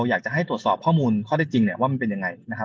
อยากให้ตรวจสอบข้อมูลคอได้จริงว่ามันเป็นยังไง